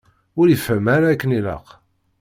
Ur ifehhem ara akken ilaq.